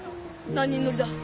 何人乗りだ？